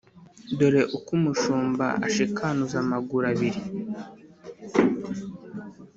Dore uko umushumba ashikanuza amaguru abiri